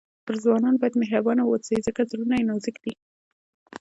پر ځوانانو باندي مهربانه واوسئ؛ ځکه زړونه ئې نازک دي.